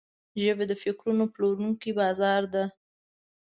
ژبه د فکرونو پلورونکی بازار ده